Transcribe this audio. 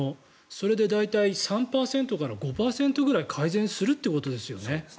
それで大体３％から５％ぐらい改善するってことですよね。